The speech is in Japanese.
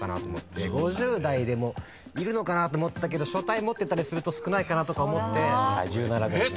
５０代でもいるのかなと思ったけど所帯持ってたりすると少ないかなとか思って１７ぐらい。